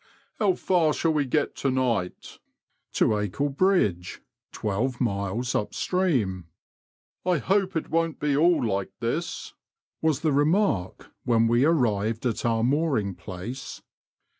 " How far shall we get to night ?"To Acle Bridge, twelve miles up stream." '« I hope it won't be all like this,'* was the remark when we arrived at our mooring place.